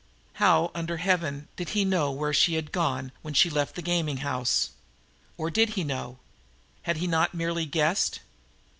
How, under heaven, did he know where she had gone when she left the gaming house? Or did he know? Had he not merely guessed?